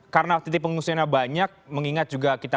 karena titik pengungsiannya banyak mengingat juga kita